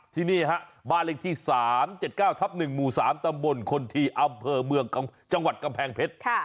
ที่นี่ฮะบ้านเลขที่๓๗๙ทับ๑หมู่๓ตำบลคนทีอำเภอเมืองจังหวัดกำแพงเพชร